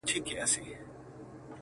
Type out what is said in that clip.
چي دي شراب- له خپل نعمته ناروا بلله-